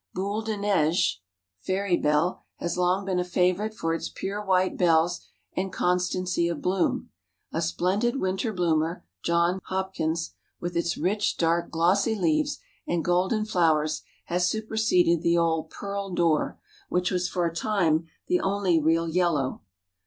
Boule de Neige (Fairy Bell) has long been a favorite for its pure white bells and constancy of bloom. A splendid winter bloomer. John Hopkins, with its rich, dark, glossy leaves and golden flowers has superseded the old Pearl d'Or, which was for a time the only real yellow.